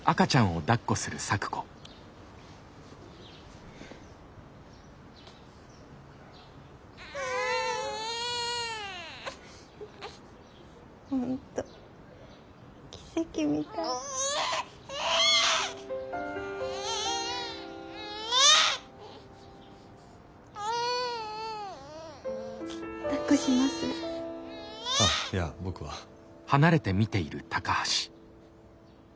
あっいや僕は。